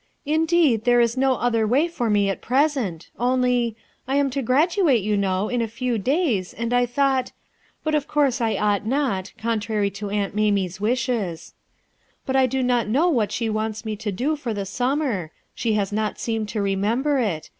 " Indeed, there is no other way for mc at present; only —J am to graduate, you know, in a few days, and I thought— but of course I ought not, con trary to Aiuit Mamie's wishes. But I do not know what she wants me to do for the summer. She has not seemed to remember it.